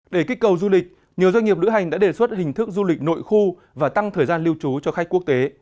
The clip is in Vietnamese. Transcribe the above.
để kích cầu du lịch nhiều doanh nghiệp lữ hành đã đề xuất hình thức du lịch nội khu và tăng thời gian lưu trú cho khách quốc tế